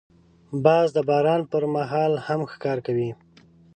باز د باران پر مهال هم ښکار کوي